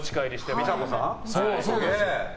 美佐子さん？